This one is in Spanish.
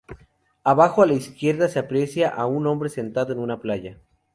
Abajo a la izquierda se aprecia a un hombre sentado en una playa.